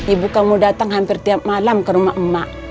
ibu kamu datang hampir tiap malam ke rumah emak emak